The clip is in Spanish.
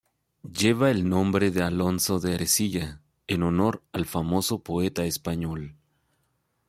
Lleva el nombre de Alonso de Ercilla en honor al famoso poeta español.